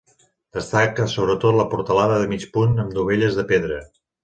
Destaca sobretot la portalada de mig punt amb dovelles de pedra.